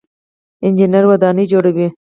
انجنیر ودانۍ جوړوي.